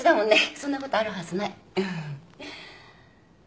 そんなことあるはずない。